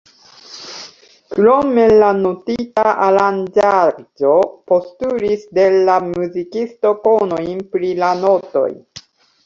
Krome la notita aranĝaĵo postulis de la muzikisto konojn pri la notoj.